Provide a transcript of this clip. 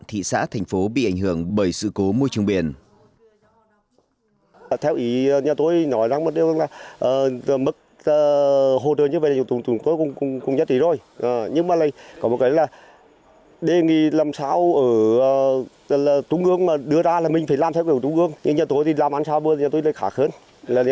thị xã thành phố bị ảnh hưởng bởi sự cố môi trường biển